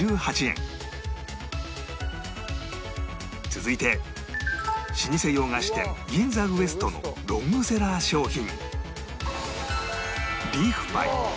続いて老舗洋菓子店銀座ウエストのロングセラー商品